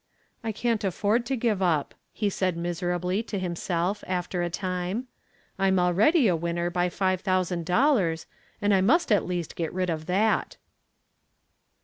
"I can't afford to give up," he said, miserably, to himself, after a time. "I'm already a winner by five thousand dollars, and I must at least get rid of that."